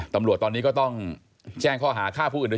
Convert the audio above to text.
ตำรวจตอนนี้ก็ต้องแจ้งข้อหา